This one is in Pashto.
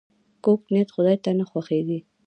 کوږ نیت خداي ته نه خوښیږي